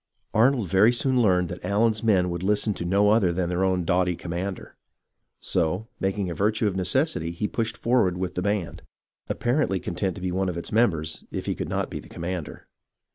Arnold very soon learned that Allen's men would listen to no other than their own doughty commander ; so, making a virtue of necessity, he pushed forward with the band, apparently content to be one of its members, if he could not be the commander.